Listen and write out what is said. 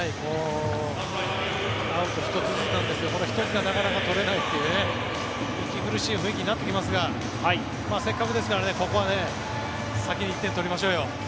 アウト１つずつなんですがこの１つがなかなか取れないというね息苦しい雰囲気になってきますがせっかくですからここは先に１点取りましょうよ。